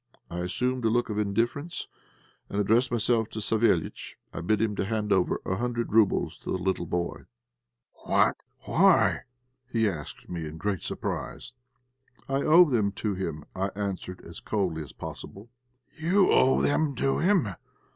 I assumed a look of indifference, and, addressing myself to Savéliitch, I bid him hand over a hundred roubles to the little boy. "What why?" he asked me in great surprise. "I owe them to him," I answered as coldly as possible. "You owe them to him!"